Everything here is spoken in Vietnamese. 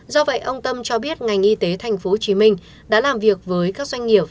do vậy ông tâm cho biết ngành y tế tp hcm đã làm việc với các doanh nghiệp